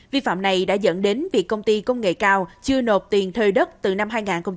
vi phạm này đã dẫn đến việc công ty công nghệ cao chưa nộp tiền thuê đất từ năm hai nghìn một mươi